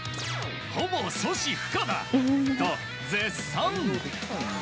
ほぼ阻止不可だ！と絶賛。